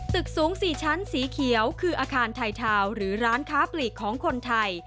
ตึกสูง๔ชั้นสีเขียวคืออาคารไทยทาวน์หรือร้านค้าปลีกของคนไทย